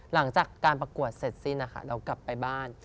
หลังจากการประกวดเสร็จสิ้นนะคะเรากลับไปบ้าน